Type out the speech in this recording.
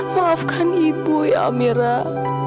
maafkan ibu ya ameran